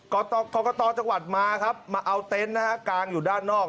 กรกตจังหวัดมาครับมาเอาเต็นต์นะฮะกางอยู่ด้านนอก